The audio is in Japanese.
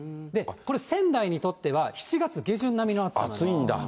これ、仙台にとっては７月下旬並みの暑さなんです。